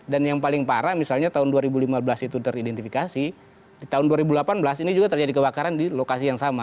dan yang paling parah misalnya tahun dua ribu lima belas itu teridentifikasi di tahun dua ribu delapan belas ini juga terjadi kebakaran di lokasi yang sama